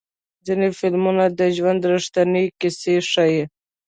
ځینې فلمونه د ژوند ریښتینې کیسې ښیي.